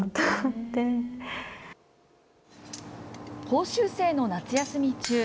講習生の夏休み中。